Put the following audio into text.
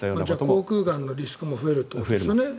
口腔がんのリスクも増えるということですよね。